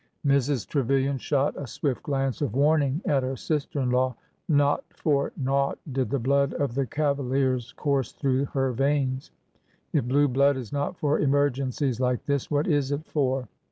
Mrs. Trevilian shot a swift glance of warning at her sister in law. Not for naught did the blood of the cava liers course through her veins. If blue blood is not for emergencies like this, what is it for?